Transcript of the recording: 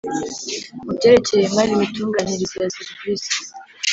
mu byerekeye imari Imitunganyirize ya serivisi